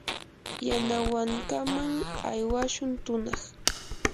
yanawankaman aywashun tunaq.